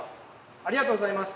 ありがとうございます！